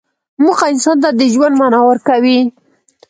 موخه انسان ته د ژوند معنی ورکوي.